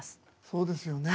そうですよね。